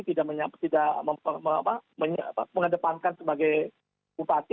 tidak mengedepankan sebagai bupati